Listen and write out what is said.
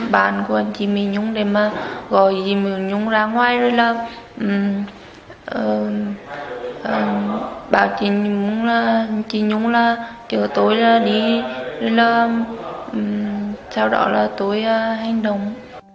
bảo chị nhung là chị nhung là chờ tôi là đi là sau đó là tôi hành động